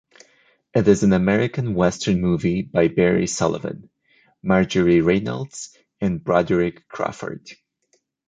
It is an American Western movie with Barry Sullivan, Marjorie Reynolds and Broderick Crawford.